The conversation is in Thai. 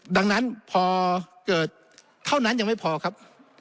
ดังนั้นพอเกิดเท่านั้นยังไม่พอครับ